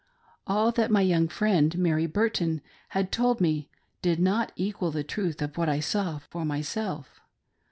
All that my young friend, Mary Burton, had told me did not equal the truth of what I saw for myself.